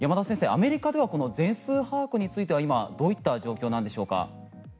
アメリカでは全数把握についてはどういった状況なんでしょうか。